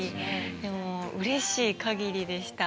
でもううれしいかぎりでした。